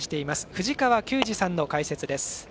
藤川球児さんの解説です。